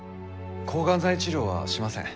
抗がん剤治療はしません。